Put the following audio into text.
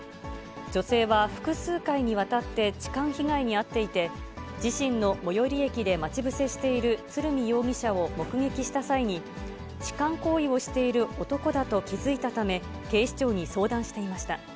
女性は複数回にわたって、痴漢被害に遭っていて、自身の最寄り駅で待ち伏せしている鶴見容疑者を目撃した際に、痴漢行為をしている男だと気付いたため、警視庁に相談していました。